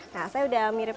nah saya sudah mirip